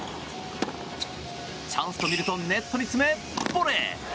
チャンスと見るとネットに詰め、ボレー！